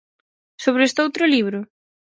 Sobre estoutro libro?